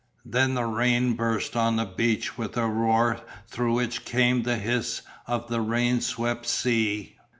Then the rain burst on the beach with a roar through which came the hiss of the rain swept sea.